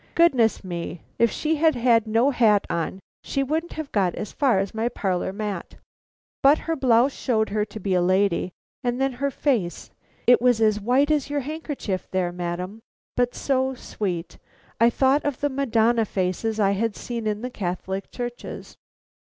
Goodness me! if she had had no hat on, she wouldn't have got as far as my parlor mat. But her blouse showed her to be a lady and then her face it was as white as your handkerchief there, madam, but so sweet I thought of the Madonna faces I had seen in Catholic churches."